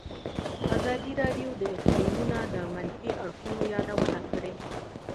ازادي راډیو د اقلیتونه د منفي اړخونو یادونه کړې.